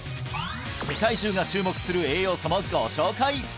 世界中が注目する栄養素もご紹介！